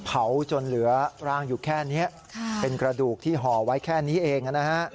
จนเหลือร่างอยู่แค่นี้เป็นกระดูกที่ห่อไว้แค่นี้เองนะฮะ